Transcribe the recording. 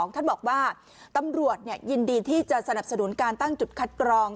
ท่านบอกว่าตำรวจยินดีที่จะสนับสนุนการตั้งจุดคัดกรอง